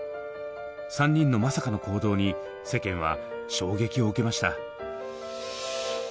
３人のまさかの行動に世間は衝撃を受けました。